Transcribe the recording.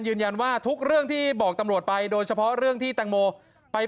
ทุกเรื่องที่บอกตำรวจไปโดยเฉพาะเรื่องที่แตงโมไป